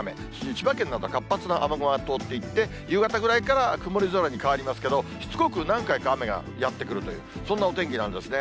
千葉県など活発な雨雲が通っていって、夕方ぐらいから曇り空に変わりますけど、しつこく何回か雨がやって来るという、そんなお天気なんですね。